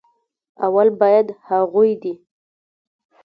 اول بايد هغوي دې